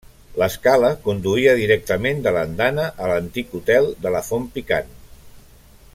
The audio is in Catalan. L'escala conduïa directament de l'andana a l'antic Hotel de la Font Picant.